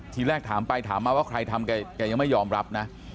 ทีแรกถามไปถามมาว่าใครทำแกยังไม่ยอมรับนะ